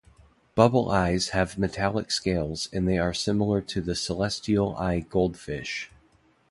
Bubble Eyes have metallic scales and they are similar to the celestial eye goldfish.